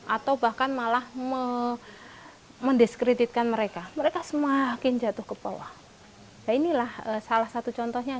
atau bahkan malah mendiskreditkan mereka mereka semakin jatuh ke bawah inilah salah satu contohnya